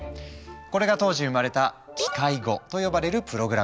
これが当時生まれた「機械語」と呼ばれるプログラミング言語。